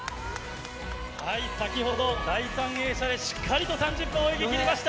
先ほど、第３泳者でしっかりと３０分泳ぎきりました。